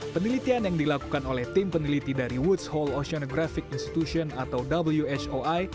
penelitian yang dilakukan oleh tim peneliti dari woodshole oceanographic institution atau whoi